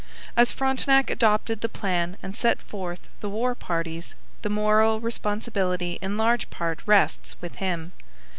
As Frontenac adopted the plan and sent forth the war parties, the moral responsibility in large part rests with him.